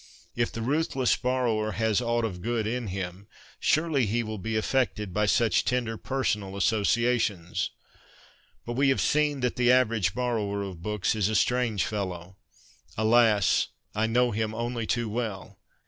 If the ruthless borrower has aught of good in him, surely he will be affected by such tender personal associations ! But we have seen that the average borrower of books is a strange fellow. Alas ! I know him only too well.